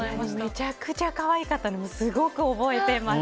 めちゃくちゃ可愛かったのですごく覚えてます。